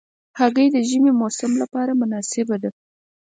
هګۍ د ژمي موسم لپاره مناسبه ده.